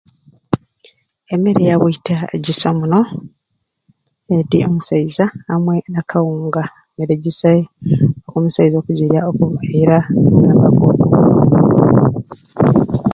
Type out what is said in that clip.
Emmere ya bwiita gisa muno edi omusaiza amwe n'akawunga, mmere gisai omusaiza okugirya okubba omupiira n'amagoolo.